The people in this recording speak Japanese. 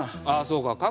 あそうか。